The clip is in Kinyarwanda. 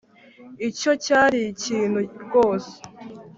icyo cyari ikintu rwose